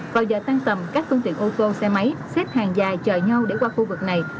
vào giờ tăng tầm các phương tiện ô tô xe máy xếp hàng dài chờ nhau để qua khu vực này